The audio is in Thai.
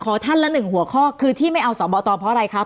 ท่านละหนึ่งหัวข้อคือที่ไม่เอาสอบตเพราะอะไรครับ